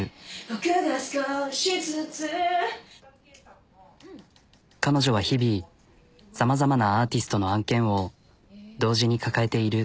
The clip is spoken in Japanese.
僕が少しずつ彼女は日々さまざまなアーティストの案件を同時に抱えている。